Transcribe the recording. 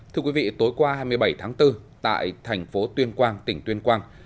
thưa quý vị tối qua hai mươi bảy tháng bốn tại thành phố tuyên quang tỉnh tuyên quang